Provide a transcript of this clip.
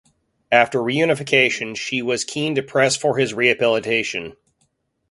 After reunification she was keen to press for his rehabilitation.